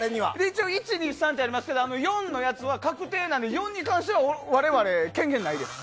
一応１、２、３とかありますけど４のやつは確定なので４に関しては我々、権限ないです。